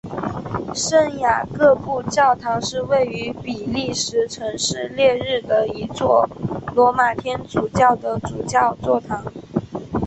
圣雅各布教堂是位于比利时城市列日的一座罗马天主教的主教座堂。